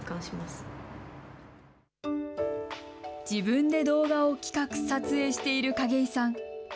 自分で動画を企画、撮影している景井さん。